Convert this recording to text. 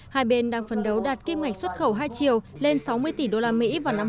hai bên đang phấn đấu đạt kim ngạch xuất khẩu hai triệu lên sáu mươi tỷ usd vào năm hai nghìn hai mươi